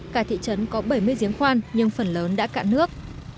cả thị trấn có bảy mươi giếng khoan nhưng phần lớn đã cạn nước